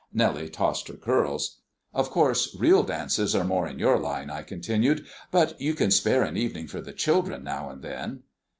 Nellie tossed her curls. "Of course, real dances are more in your line," I continued, "but you can spare an evening for the children now and then."